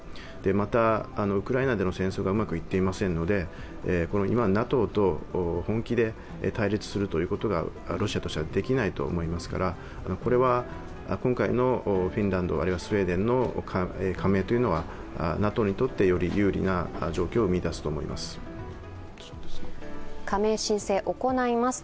また、ウクライナでの戦争がうまくいっていませんので今、ＮＡＴＯと本気で対立するということがロシアとしてはできないと思いますから今回のフィンランド、あるいはスウェーデンの加盟はＮＡＴＯにとってより有利な状況を生み出すと思います。